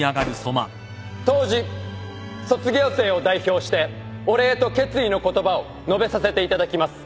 答辞卒業生を代表してお礼と決意の言葉を述べさせていただきます。